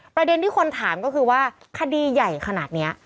ประเด็นที่คนถามก็คือว่าคดีใหญ่ขนาดนี้